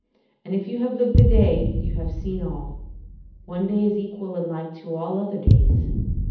And, if you have lived a day, you have seen all: one day is equal and like to all other days.